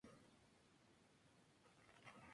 Federico Guillermo estuvo casado dos veces.